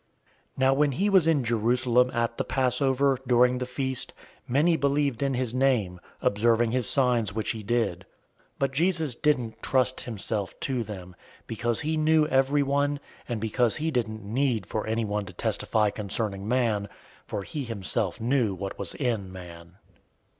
002:023 Now when he was in Jerusalem at the Passover, during the feast, many believed in his name, observing his signs which he did. 002:024 But Jesus didn't trust himself to them, because he knew everyone, 002:025 and because he didn't need for anyone to testify concerning man; for he himself knew what was in man.